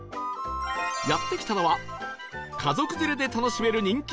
やって来たのは家族連れで楽しめる人気スポット